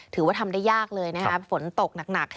ถือว่าทำได้ยากเลยฝนตกหนัก